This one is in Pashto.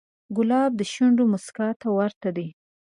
ګلاب د شونډو موسکا ته ورته دی.